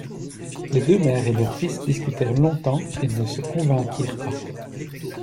Les deux mères et leurs fils discutèrent longtemps, et ne se convainquirent pas.